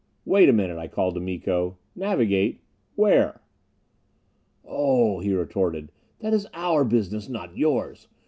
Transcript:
"Wait a minute!" I called to Miko. "Navigate where?" "Oh," he retorted, "that is our business, not yours.